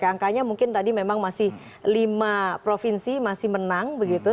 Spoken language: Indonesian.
angkanya mungkin tadi memang masih lima provinsi masih menang begitu